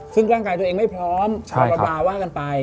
ซึ่งร่างกายตัวเองไม่พร้อมชาวประดาว่ากันไป